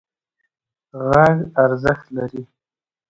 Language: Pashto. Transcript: غږ ارزښت لري.